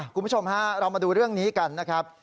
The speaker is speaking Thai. คุณผู้ชมฮะเรามาดูเรื่องนี้กันนะครับ